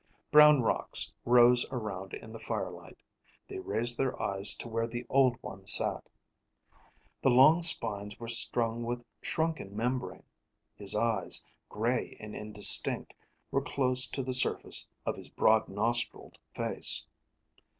Brown rocks rose around in the firelight. They raised their eyes to where the Old One sat. The long spines were strung with shrunken membrane. His eyes, gray and indistinct, were close to the surface of his broad nostriled face.